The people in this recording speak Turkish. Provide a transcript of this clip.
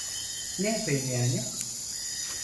Ne yapayım yani?